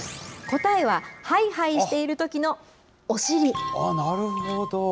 答えは、ハイハイしているときのなるほど。